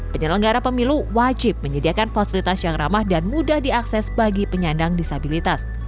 penyelenggara pemilu wajib menyediakan fasilitas yang ramah dan mudah diakses bagi penyandang disabilitas